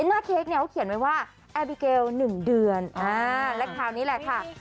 หน้าเค้กเนี่ยเขียนไว้ว่าแอบิเกลหนึ่งเดือนแรกทางนี้แหละค่ะ